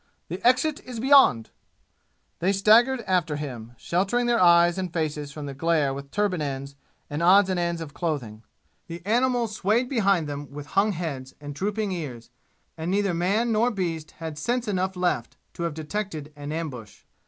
The exit is beyond!" They staggered after him, sheltering their eyes and faces from the glare with turban ends and odds and ends of clothing. The animals swayed behind them with hung heads and drooping ears, and neither man nor beast had sense enough left to have detected an ambush.